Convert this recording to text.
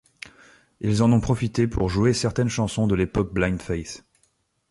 Ils en ont profité pour jouer certaines chansons de l'époque Blind Faith.